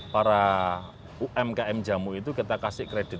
para umkm jamu itu kita kasih kredit